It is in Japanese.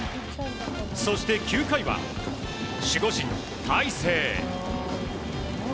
そして９回は守護神・大勢。